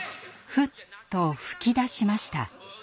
ふっと吹き出しました。